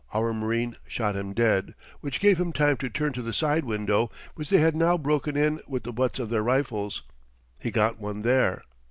Our marine shot him dead, which gave him time to turn to the side window, which they had now broken in with the butts of their rifles. He got one there.